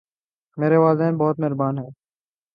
میرے والدین بہت مہربان ہیں